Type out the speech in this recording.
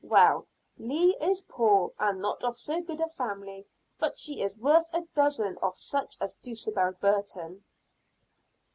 Well, Leah is poor, and not of so good a family, but she is worth a dozen of such as Dulcibel Burton."